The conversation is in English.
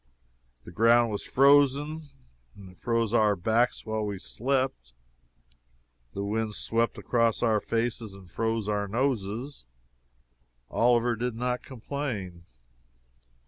The ground was frozen, and it froze our backs while we slept; the wind swept across our faces and froze our noses. Oliver did not complain.